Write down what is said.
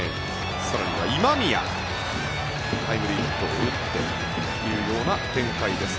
更には今宮がタイムリーヒットを打ってというような展開です。